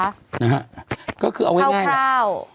นะฮะก็คือเอาไว้ง่ายคร่าว